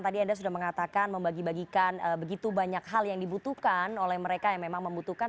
tadi anda sudah mengatakan membagi bagikan begitu banyak hal yang dibutuhkan oleh mereka yang memang membutuhkan